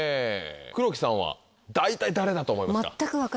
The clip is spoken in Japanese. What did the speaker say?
黒木さんは大体誰だと思いますか？